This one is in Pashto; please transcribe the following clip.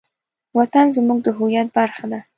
وطن زموږ د هویت برخه ده.